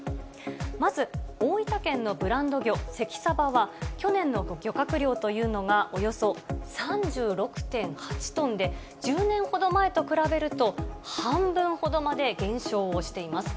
まず大分県のブランド魚、関さばは、去年の漁獲量というのがおよそ３６．８トンで、１０年ほど前と比べると、半分ほどまで減少しています。